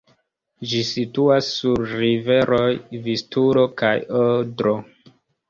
Ĝi situas sur riveroj Vistulo kaj Odro.